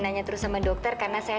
ini punya kamila